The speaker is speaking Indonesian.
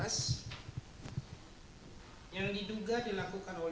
yang di dunia